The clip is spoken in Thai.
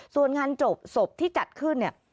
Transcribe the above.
ส่วนงานศพศพที่จัดขึ้นเนี่ย